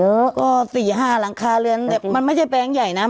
เออก็สี่ห้าหลังคาเรือนเนี้ยมันไม่ใช่แปลงใหญ่น่ะ